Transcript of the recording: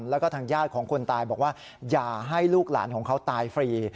แล้วก็ทางญาติของคนตายบอกว่าอย่าให้ลูกหลานของเขาตายฟรี